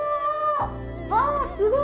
ああすごい。